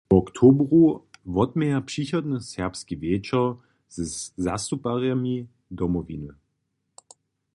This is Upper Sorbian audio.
W oktobru wotměja přichodny serbski wječor ze zastupjerjemi Domowiny.